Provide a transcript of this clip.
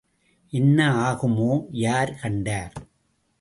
என்ன ஆகுமோ யார் கண்டார்?